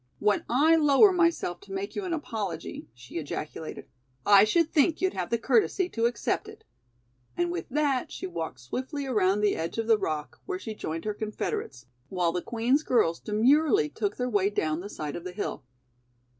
"When I lower myself to make you an apology," she ejaculated, "I should think you'd have the courtesy to accept it," and with that she walked swiftly around the edge of the rock, where she joined her confederates, while the Queen's girls demurely took their way down the side of the hill.